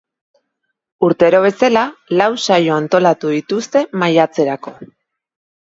Urtero bezala, lau saio antolatu dituzte maiatzerako.